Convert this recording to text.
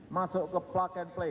masuk ke perubahan dan pergolahan